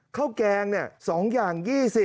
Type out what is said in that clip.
ข้าวแกงเนี่ย๒อย่าง๒๐